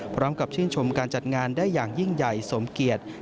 พร้อมกับชื่นชมการจัดงานได้อย่างยิ่งใหญ่สมเกียจ